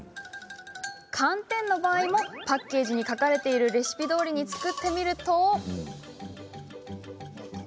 寒天の場合もパッケージに書かれているレシピどおりに作ってみると。